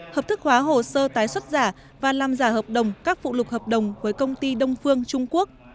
hợp thức hóa hồ sơ tái xuất giả và làm giả hợp đồng các phụ lục hợp đồng với công ty đông phương trung quốc